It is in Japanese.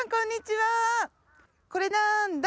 これなんだ？